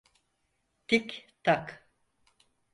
Tik tak.